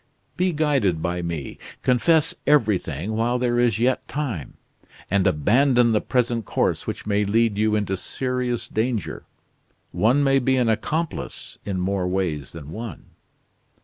Be guided by me; confess everything, while there is yet time; and abandon the present course which may lead you into serious danger. One may be an accomplice in more ways than one."